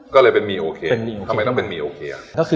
ก็เลยเป็นมีโอเค